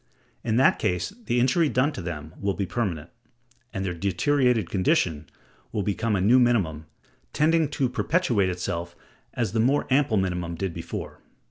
In that case the injury done to them will be permanent, and their deteriorated condition will become a new minimum, tending to perpetuate itself as the more ample minimum did before.